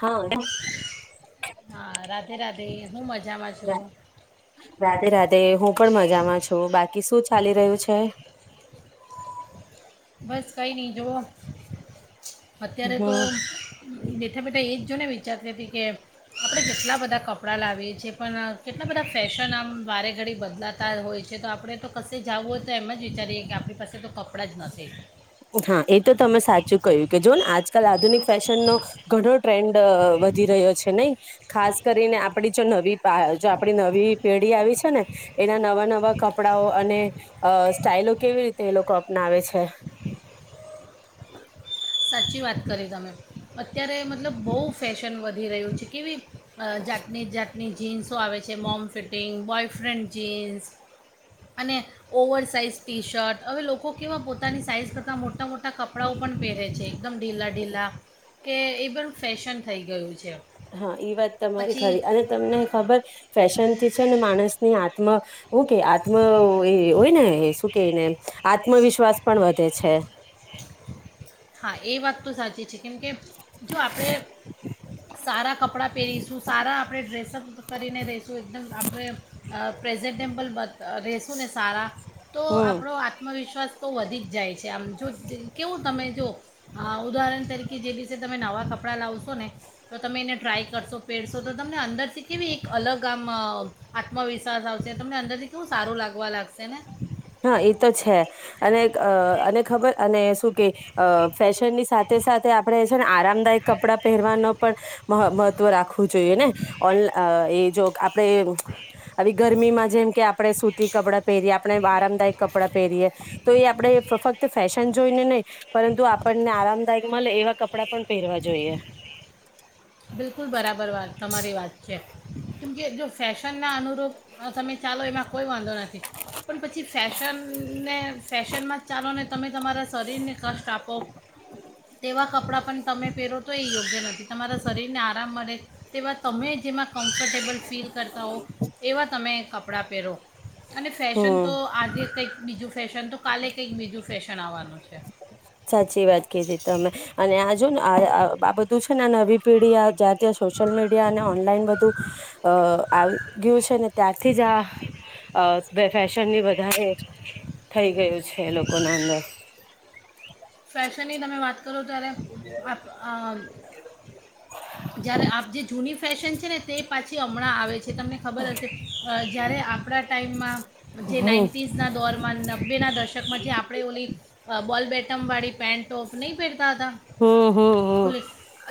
હા. હા રાધે રાધે હું મજા રા રાધે રાધે હું પણ મજામાં છું બાકી શું ચાલી રહ્યું છે? બસ કઈ નહી જોવો. અત્યારે તો હમ બેઠા બેઠા એ જ જોને વિચારતી હતી કે આપણે જેટલા બધા કપડાં લાવીએ છીએ પણ કેટલા બધા ફેશન આમ વારે ઘડી બદલાતા હોય છે તો આપણે તો કશે જવું હોય તો એમ જ વિચારીએ કે આપણી પાસે તો કપડાં જ નથી હા એ તો તમે સાચું કહ્યું કે જો ને આજ કાલ આધુનિક ફેશનનો ઘણો ટ્રેન્ડ વધી રહ્યો છે નહીં? ખાસ કરીને આપડી જો નવી જો આપણી નવી પેઢી આવી છે ને, એના નવા નવા કપડાઓ અને સ્ટાઈલો કેવી રીતે એ લોકો અપનાવે છે. સાચી વાત કરી તમે. અત્યારે મતલબ બહુ ફેશન વધી રહ્યું છે. કેવી અ જાતની જાતની જીન્સ સો આવે છે. મોમ ફિટિંગ, બોયફ્રેન્ડ જીન્સ અને ઓવર સાઇઝ ટી શર્ટ. હવે લોકો કેવા પોતાની સાઈઝ કરતાં મોટા મોટા કપડાંઓ પણ પહેરે છે. એકદમ ઢીલા ઢીલા કે, એ પણ ફેશન થઈ ગયું છે. હા, ઈ વાત તમારી પછી ખરી. અને તમને ખબર, ફેશનથી છે ને માણસની આ ત્મા ઓકે આત્મ એ હોય ને શું કેને, આત્મવિશ્વાસ પણ વધે છે. હા, એ વાત તો સાચી છે. કેમકે, જો આપણે સારા કપડાં પહેરીશું, સારા આપણે ડ્રેસઅપ કરીને રઈશું, એકદમ આપણે પ્રેઝેન્ટટેમ્પલ બ ર રહેસું ને સારા તો હમ આપણો આત્મવિશ્વાસ તો વધી જ જાય છે. આમ, જો કેવું તમે જો, ઉદાહરણ તરીકે જે દિવસે તમે નવાં કપડાં લાવશો ને, તો તમે એને ટ્રાય કરશો, પહેરશો તો તમને અંદરથી કેવી એક અલગ આમ આત્મવિશ્વાસ આવશે, તમને અંદરથી કેવું સારું લાગવા લાગશે ને. હા એ તો છે. અને અ અને ખબર અને શું કે ફેશનની સાથે સાથે આપણે છે ને આરામદાયક કપડાં પહેરવાનો પણ, મહત્વ રાખવું જોઈયે ને! ઓનલા અં એ જો આપ આપણે આવી ગરમીમાં જેમ કે આપણે સૂતી કપડાં પહેરી આપણે આરામદાયક કપડાં પહેરીએ, તો એ આપણે ફક્ત ફેશન જોઈ ને નહી પરંતુ આપણને આરામદાયક મળે એવા કપડાં પણ પહેરવા જોઈએ. બિલકુલ બરાબર વાત તમારી વાત છે, કેમકે જો ફેશનના અનુરૂપ તમે ચાલો એમાં કોઈ વાંધો નથી, પણ પછી ફેશનને ફેશનમાં જ ચાલોને તમે તમારા શરીરને કષ્ટ આપો તેવા કપડાં પણ તમે પેરો તો એ યોગ્ય નથી તમારા શરીરને આરામ મળે, તેવા તમે જેમાં કમ્ફર્ટેબલ ફીલ કરતા હો, એવા તમે કપ કપડાં પહેરો. અને ફેશન હમ તો આજે કંઈક બીજું ફેશન તો કાલે કઈક બીજું ફેશન આવવાનું છે સાચી વાત કીધી તમે, અને આજુ ને બાબતો છે ને આ નવી પેઢી આ જાત સોશિયલ મીડિયા અને ઓનલાઈન બધું, અ આવી ગયું છે ને ત્યાારથી જ આ ફેશન ની વધારે થઈ ગયું છે. એ લોકો ના અંદર ફેશનની તમે વાત કરો ત્યારે આપ અ જયારે આપ જે જૂની ફેશન છે ને તે પાછી હમણાં આવે જે તમને ખબર હશે. જ્યારે આપણા ટાઈમમાં જે હમ નાઇન્ટીઝના દોરમાં નબ્બેના દશકમાં જે આપણે ઓલી બોલ બેટ તમવાડી પેન્ટ ટોપ નહીં પહેરતા હમ હમ હમ હતા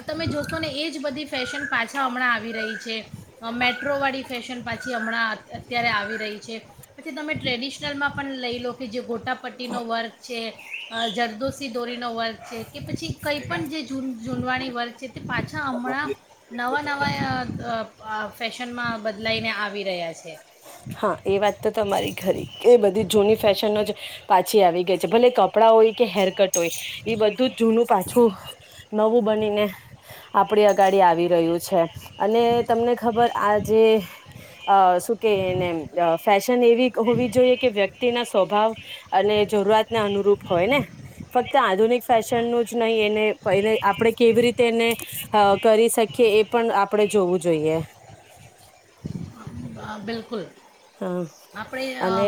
તમે જો ને એ જ બધી ફેશન પાછા હમણાં આવી રહી છે. અ મેટ્રોવાળી ફેશન પાછી હમણાં અત્યારે આવી રહી છે. પછી તમે ટ્રેડિશનલમાં પણ લઈ લો કે જે ગોટ પટા પટ્ટી નો વર્ગ છે હા જ દુશી દોરી નો વર્ગ છે કે પછી કંઈ પણ જે ઝૂ ઝૂડવાણી વર્ગ છે તે પાછા હમણાં નવા નવા અ આ ફેશનમાં બદલાઈને આવી રહ્યા છે. હા એ વાત તો તમારી ખરી એ બધી જૂની ફેશનનો જ પાછી આવી ગઈ છે ભલે કપડાં હોય કે હેરકટ હોય એ બધું જૂનું પાછું નવું બનીને આપડી અગાડી આવી રહ્યું છે. અને તમને ખબર આ જે અ કેને ફેશન એવી હોવી જોઈએ કે વ્યક્તિના સ્વભાવ અને જરૂરતને અનુરૂપ હોય ને ફક્ત આધુનિક ફેશનનું જ નહીં એને આપણે કેવી રીતે એને કરી શકીએ એ પણ આપણે જોવું જોઈએ. હ બિલકુલ. હા આપણે અ અને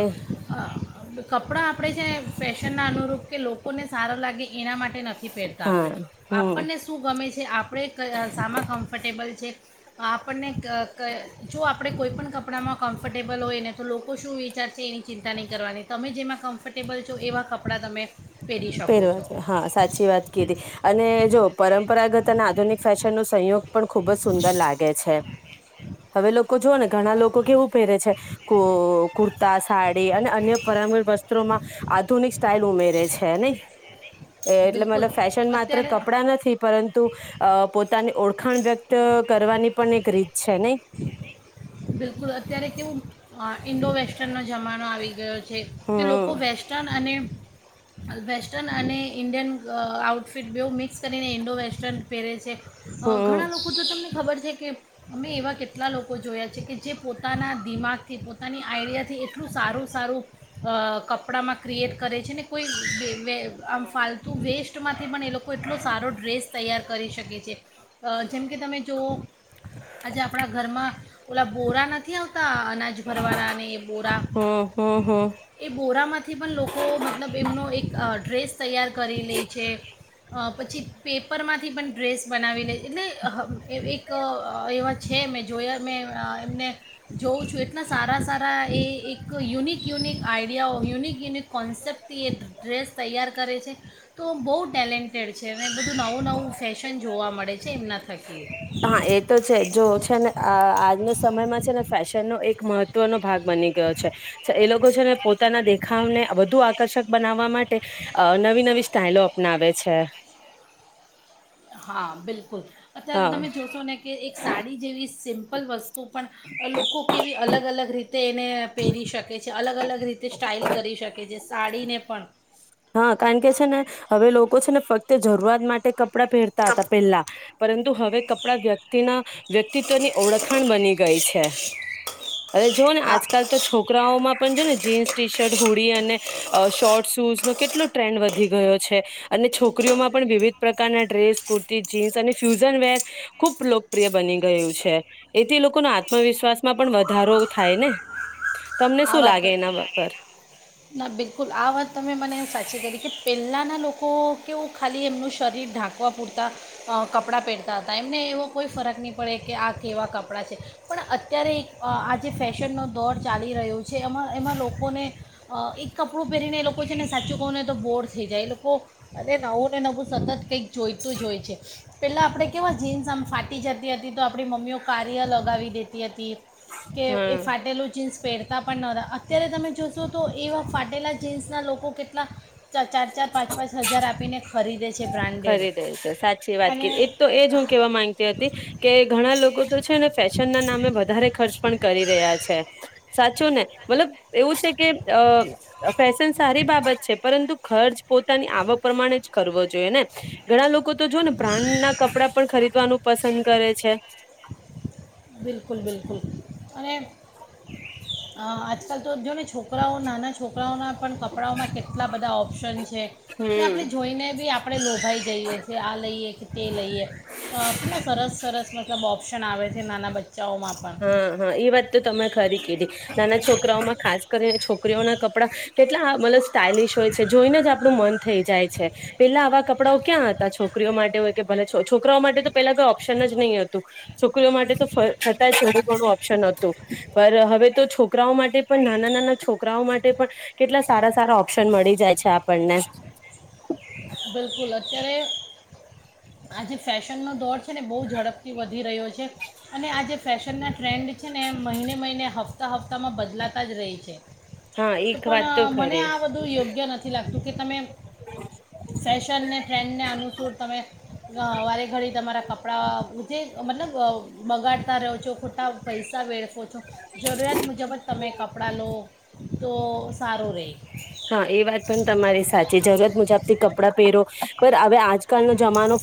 કપડાં આપણે છે ફેશનના અનુરૂપ કે લોકોને સારા લાગે એના માટે નથી પહેરતા હા આપણે હમ આપણને શું ગમે છે આપણે ક સામાં કમ્ફર્ટેબલ છે. આપણને જો આપણે કોઈપણ કપડાંમાં કમ્ફર્ટેબલ હોય ને તો લોકો શું વિચારશે એની ચિંતા નહીં કરવાની તમે જેમાં કમ્ફર્ટેબલ છો એવા કપડાં તમે પહેરી શકો પહેરવા છો જો હા સાચી વાત ક હતી અને જો પરંપરાગત અને આધુનિક ફેશન નો સંયોગ પણ ખુબ જ સુંદર લાગે છે. હવે લોકો જોઓ ને ઘણા લોકો કેવું પ છે કુર ત સાડી અને અન્ય પરપ વસ્ત્રોમાં આધુનિક સ્ટાઈઇલ ઉમેરે છે. છે નહી. એટલે બિલકુલ મતલબ ફેશન માત્ર અત્યારે કપડાં નથી પરંતુ. અ પોતાની ઓળખાણ વ્યક્ત કરવાની પણ એક રીત છે નહી. બિલકુલ અત્યારે કેવું ઇન્ડો વેસ્ટર્ન. જમાનો આવી ગયો છે કે લોકો હમ વેસ્ટર્ન અને. વેસ્ટર્ન અને ઈન્ડિયન આઉટફિટ બહુ મિક્સ કરીને ઈન્ડો વેસ્ટર્ન પહેરે છે. અ હમ ઘણા લોકો જો તમને. ખબર છે કે અમે એવા કેટલા લોકો જોયા. કે જે પોતાના દિમાગથી પોતાની આઈડિયાથી એટલું સારું સારું કપડામાં ક્રિએટ કરે છે ને. કોઈ વ આમ ફાલતુ વેસ્ટ. માથી બનેલો. એટલો સારો ડ્રેસ તૈયાર કરી શકે છે જેમકે તમે જુઓ આજે આપણા ઘરમાં. ઓલા બોરા નથી આવ અનાજ ભરવાના અને બોરા હમ હમ હમ એ બોરા માંથી પણ લોકો મતલબ એમનો એક અ ડ્રેસ તૈયાર કરી લે છે પછી પેપરમાંથી પણ ડ્રેસ બનાવી લે એટલે એક એવા છે મેં જોયા મેં એમને જોઉં છું એટલા સારા સારા એ એક unique unique. Idea of unique unit. કોન્સેપ્ટથી એ ડ્રેસ તૈયાર કરે છે તો બહુ. ટેલેન્ટેડ છે. બધું નવું નવું ફેશન જોવા મળે છે એમના થકી. હા એ તો છે જો છે ને આ આજના સમયમાં છે ને ફેશનનો એક મહત્વનો ભાગ બની ગયો છે એ લોકો છે ને પોતાના દેખાવને વધુ આકર્ષક બનાવવા માટે અ નવી નવી સ્ટાાઈલો અપનાવે છે. હા બિલકુલ. કુલ અત્યારે હા તમે જોશો ને કે એક સાડી જેવી સિમ્પ લ વસ્તુ પણ. લોકો કેવી અલગ અલગ રીતે એને પહેરી શકે છે અલગ અલગ રીતે સ્ટાઇલ કરી શકે છે સાડીને પણ. હા કારણ કે છે ને હવે લોકો છે ને ફક તે જરૂરઆત માટે ક પડા પેરતાતા પહેલા. પરંતુ હવે કપડા વ્યક્તિના વ્યક્તિત્વની ઓળખાણ બની ગઈ છે. અરે જુવોઓ ને આ આજકાલ તો છોકરાઓમાં પણ જો ને જીન્સ ટી શર્ટ હુડી અને શોર્ટ શૂઝ. કેટલો ટ્રેન્ડ વધી ગયો છે અને છોકરીઓમાં પણ વિવિધ પ્રકારના ડ્રેસ કુર્તી જીન્સ અને ફ્યુઝન વેર ખૂબ લોકપ્રિય બની ગયું છે એથી લોકોનો આત્મવિશ્વાસમાં પણ વધારો થાય ને. તમને આ શું વાત, લાગે એના પર ના બિલકુલ આ વાત તમે મને સા છે તરીકે પહેલાંના લોકો કેવું ખાલી એમનું શરીર ઢાંકવા પૂરતાં અ કપડાં પહેરતા હતા. એમને એવો કોઈ ફરક નહીં પડે કે આ કેવા કપડાં છે પણ અત્યારે એક અ આ જે ફેશનનો દોર ચાલી રહ્યો છે. એમાં એમાં લોકોને અ એક કપડું પહેરીને એ લોકો છે ને સાચું કહુંને તો બોર થઈ જાય. એ લોકો અરે નવું ને નવું સતત કંઈક જોઈતું જ હોય છે. પહેલાં આપણે કેવા જીન્સ આમ ફાટી જતી હતી. તો આપણી મમ્મીઓ કારી્ય લગાવી દેતી હતી કે હા એ ફાટેલું ચીન્સ પેર તા પણ નતા અત્યારે તમે જોશો તો એવા ફાટેલા જીન્સના લોકો કેટલા ચાર ચાર પાંચ પાંચ હજાર આપીને ખરીદે છે ખરી બ્રાન્ડેડ રહી છે. સાચી વાત અને કરી એક તો એ જ હું કેવા માંગતી હતી કે ઘણા લોકો તો છે ને ફેશન ના નામે વધારે ખર્ચ પણ કરી રહ્યા છે. સાચું ને? મતલબ એવું છે કે અ ફેશન સારી બાબત છે પરંતુ ખર્ચ પોતાની આવક પ્રમાણે જ કરવો જોઈએ ઘણા લોકો તો જો ને બ્રાન્ડ ના કપડા પણ ખરીદવાનું પસંદ કરે છે. બિલકુલ બિલકુલ. અને અ આજકાલ તો જ છોક રાઓ નાના છોકરાઓના પણ કપડાઓમાં કેટલા બધા ઓ ફ્રેન્સ કે હમ આપણે જોઈને બી આપ આપડે લો ખાઈ જઈએ કે આ લઈએ કે તે લઈએ કેટલા સરસ સરસ મ મતબ ઓપ્શન આવે. નાના બચા હા હા એ વાત તો તમે ખરી કેધી નાના છોકરાઓમાં ખાસ. કરીને છોકરીઓ ના કપડા કેટલા મતલબ સ્ટાલિશ હોય છે, જોઈને જ આપણું મન થઈ જાય છે પેલા આવા કપડાઓ ક્યાં હતા છોકરીઓ માટે હોય કે ભલે છોકરાઓ માટે તો પેલા કોઈ ઓપ્શન જ નહી હતું છોકરીઓ માટે તો થોડું ઘણું ઓપ્શન હતું. પર હવે તો છોકરાઓ માટે પણ નાના-નાના છોકરાઓ માટે પણ કેટલા સારા-સારા ઓપ્શન મળી જાય છે આપણને. બિલકુલ અત્યારે. આજે ફેશનનો દોર છે ને બહુ ઝડપથી વધી રહ્યો છે, અને આ જેે ફેશનના ટ્રેન્ડ છે ને એ મહિને મહિને હપ્તા હપ્તામાં બદલાતા જ રહે છે. હા તો એક પણ વાત તો મને ખરી આ બધું યોગ્ય નથી લાગતું કે તમે. ફેશનને ટ્રેન્ડને અનુસૂર તમે વારે ઘડી તમારા કપડાં. ને મતલબ બગાડતા રહો છો ખોટા પૈસા વેળખો છો, જરૂરિયાત મુજબ જ તમે કપડાં લો. તો સારું રે. હા એ વાત પણ તમારી સાચી જરૂરત મુજબ થી કપડા પહેરો હવે આ આજકાલનો જમાનો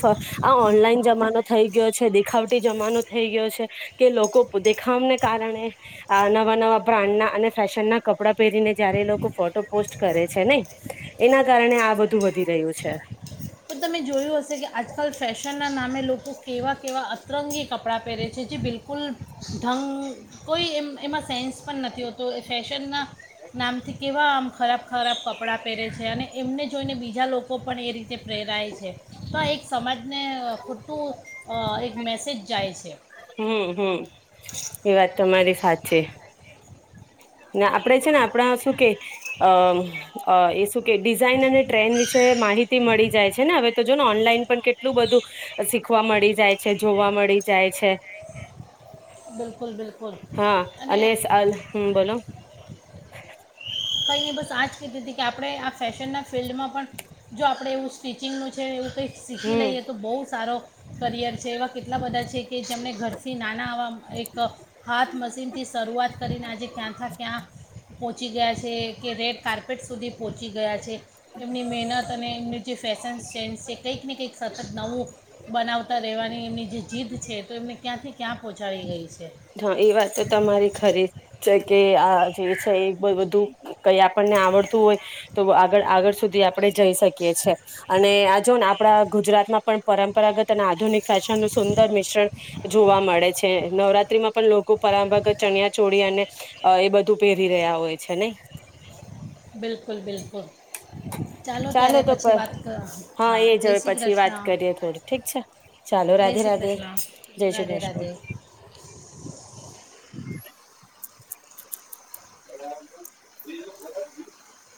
આ ઓનલાઈન જમાનો થઈ ગયો છે. ખાવટી જમાનો થઈ ગયો છે કે લોકો દેખામને કારણે. આ નવા નવા બ્રાન્ડના અને ફેશન ના કપડાં પહેરીને જયારે એ લોકો ફો પોસ્ટ કરે છે નહી એના કારણે આ બધું વધી રહ્યું છે. તો તમે જોયું હશે કે આજકાલ ફેશનના નામે લોકો કેવા કેવા અતરંગી કપડાં પહેરે છે જે બિલકુલ ઢંગ કોઈ એમ એમાં સેન્સ પણ નથી હોતું. એ ફેશનના નામથી કેવા આમ ખરાબ ખરાબ કપ કપડાં પહેરે છે. અને એમને જોઈને બીજા લોકો પણ એ રીતે પ્રેરાય છે. તો એક સમાજ ને અ ખોટટું અ એક મેસેજ જાય છે. હમ્મ હમ્મ એ વાત તમારી સાચી. ને આપડે છે ને આપણા શું કે અ એ શું કે ડિઝાઇન અને ટ્રેન વિશે માહિતી મળી જાય છે ને હવે તો જોન ઓનલાઇન. પણ કેટલું બધું સી શખવા મળી જાય છે, જોવા મળી જાય છે. બિલકુલ બિલકુલ હા અને અલ સેલ્ફી બોલો. કઈ નઈ બસ આજ કીધી હતી કે આપણે આ ફેશનના ફિલ્ડમાં પણ જો આપણે એવું સ્ટિચિંગનું છે એવું કંઈ શીખી હમ લઈએ તો બહુ સારો કરિયર છે એવા કેટલા બધા છે કે જેમને ઘરથી નાના આવા એક હાથ મશીનથી શરૂઆત કરીને આજે ક્યાંથી ક્યાં ચગાસ છે કે રેડ કાર્પેટ સુધી પહોંચી ગયા છે. એમની મહેનત અને એમની જે ફેશન્સ સેન્સ છે કંઈક ને કંઈક સતત નવું બનાવતા રહેવાની એમની જે જીદ છે તો એમને ક્યાંથી ક્યાં પહોંચાડી ગઈ છે હા એ વાત તો તમારી ખરી છે કે આ જે છે એ બધું કઈ આપણને આવડતું હોય તો આગળ આગળ સુધી આપણે જઈ શકીએ છે. અને આ જો ને આપ આપણા ગુજરાતમાં પણ પરંપરાગત અને આધુનિક ફેશન નું સુંદર મિશ્રણ જોવા મળે છે. નવરાત માં પણ લોકો પરામભર ચણિયા ચોળી અને અ એ બધું પહેરી રહ્યા હોય છે નઈ? બિલકુલ બિલકુલ. ચાલો ત્યારે તો પછી વાત ક હા એ જ જય હવે શ્રી પછી વાત કૃષ્ણ કરીએ થોડી ઠીક છે, ચાલો જય રાધે શ્રી રાધે કૃષ્ણ જય શ્રી રાધે કૃષ્ણ. રાધે